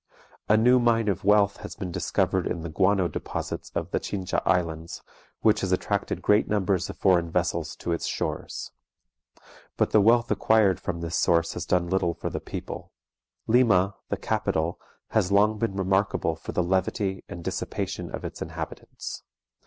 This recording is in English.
A new mine of wealth has been discovered in the guano deposits of the Chincha Islands, which has attracted great numbers of foreign vessels to its shores. But the wealth acquired from this source has done little for the people. Lima, the capital, has long been remarkable for the levity and dissipation of its inhabitants.